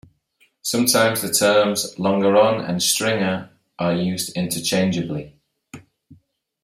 Sometimes the terms "longeron" and "stringer" are used interchangeably.